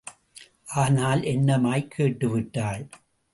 ஆனால் என்னமாய்க் கேட்டு விட்டாள்.